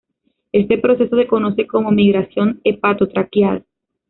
Este proceso se conoce como migración hepato-traqueal.